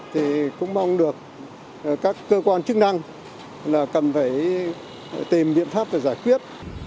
thì cũng mong được các cơ quan chức năng là cần phải tìm biện pháp để giải quyết